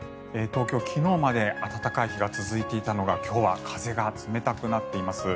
東京、昨日まで暖かい日が続いていたのが今日は風が冷たくなっています。